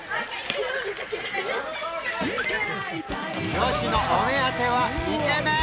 女子のお目当てはイケメン！